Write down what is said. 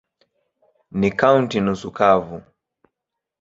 Ni kaunti nusu kavu.